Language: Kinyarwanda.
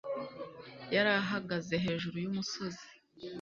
Yari ahagaze hejuru yumusozi.